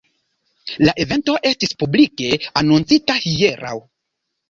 La evento estis publike anoncita hieraŭ.